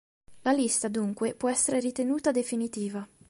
La lista dunque può essere ritenuta definitiva.